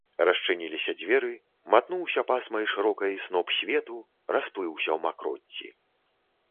Расчыніліся дзверы, матнуўся пасмай шырокай сноп свету, расплыўся ў макроцці.